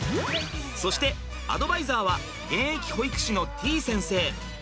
そしてアドバイザーは現役保育士のてぃ先生。